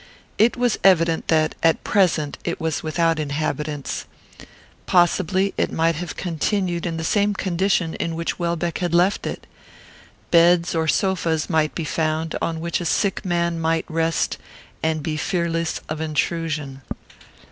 It was evident that, at present, it was without inhabitants. Possibly it might have continued in the same condition in which Welbeck had left it. Beds or sofas might be found, on which a sick man might rest, and be fearless of intrusion.